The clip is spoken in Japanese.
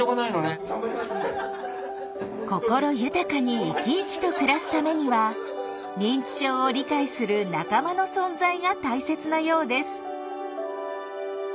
心豊かにイキイキと暮らすためには「認知症」を理解する仲間の存在が大切なようです。